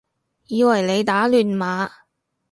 以為你打亂碼